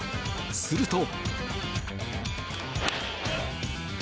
すると。